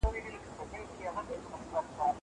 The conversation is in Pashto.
زه به سبا کتابونه وړم!